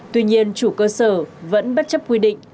tuy nhiên chủ cơ sở vẫn bất chấp quy định